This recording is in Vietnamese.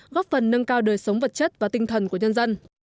góp phần nâng cao đời sống vật chất và tinh thần của nhân dân